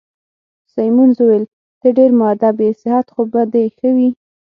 سیمونز وویل: ته ډېر مودب يې، صحت خو به دي ښه وي؟